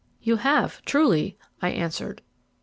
"You have, truly," I answered.